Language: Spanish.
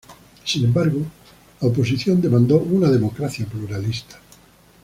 Sin embargo, la oposición demandó una democracia pluralista.